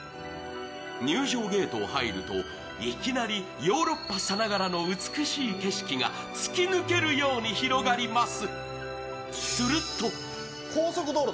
入場ゲートを入るといきなりヨーロッパさながらの美しい景色が突き抜けるように広がります。